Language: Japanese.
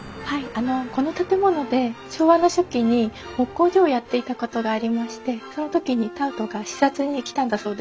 あのこの建物で昭和の初期に木工所をやっていたことがありましてその時にタウトが視察に来たんだそうです。